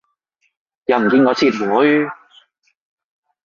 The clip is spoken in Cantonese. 又唔見我撤回